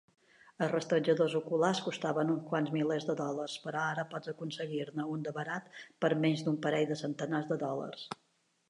Els rastrejadors oculars costaven uns quants milers de dòlars, però ara pots aconseguir-ne un de barat per menys d'un parell de centenars de dòlars.